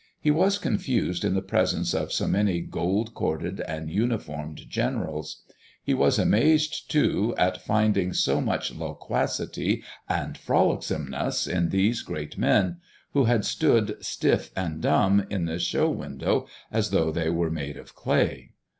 He was confused in the presence of so many gold corded and uniformed generals. He was amazed, too, at finding so much loquacity and frolicsomeness in these great men, who had stood stiff and dumb in the show window as though they were made of clay.